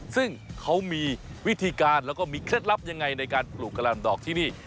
ซึ่งเขามีวิธีการแล้วก็มีเคล็ดลับยังไงในการปลูกกะหล่ำดอกที่นี่